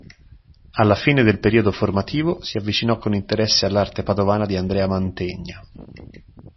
Alla fine del periodo formativo si avvicinò con interesse all'arte padovana di Andrea Mantegna.